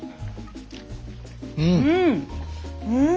うん！